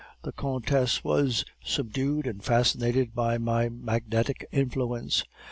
The countess was subdued and fascinated by my magnetic influence.